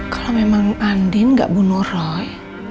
kalau memang andin gak bunuh roy